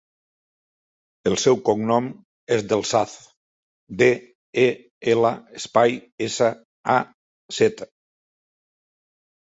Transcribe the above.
El seu cognom és Del Saz: de, e, ela, espai, essa, a, zeta.